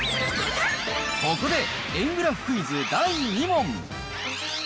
ここで、円グラフクイズ第２問。